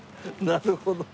なるほど。